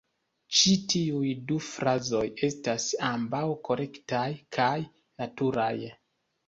Ĉi tiuj du frazoj estas ambaŭ korektaj kaj naturaj.